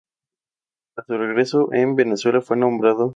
Tras su regreso de Venezuela fue nombrado subjefe del Estado Mayor General.